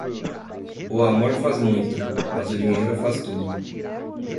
O amor faz muito, mas o dinheiro faz tudo.